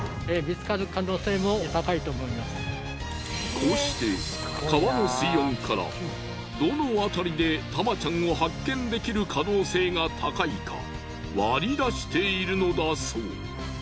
こうして川の水温からどの辺りでタマちゃんを発見できる可能性が高いか割り出しているのだそう。